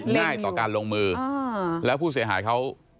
ง่ายต่อการลงมือแล้วผู้เสียหายเขา